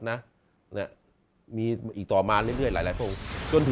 นะมีต่อมาเรื่อยมีก็ถึงพระศาสตร์ที่๓๓